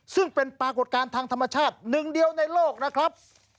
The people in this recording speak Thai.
ซึ่งเป็นปรากฏการณ์ทางธรรมชาติหนึ่งเดียวในโลกนะครับ